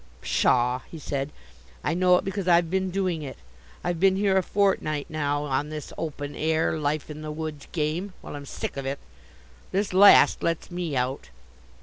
"Pshaw!" he said. "I know it because I've been doing it. I've been here a fortnight now on this open air, life in the woods game. Well, I'm sick of it! This last lets me out."